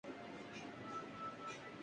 General Ashfaq Nadeem retire ہو چکے ہیں۔